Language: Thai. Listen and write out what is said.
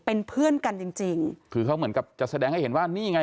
เป็นเพื่อนกันจริงจริงคือเขาเหมือนกับจะแสดงให้เห็นว่านี่ไง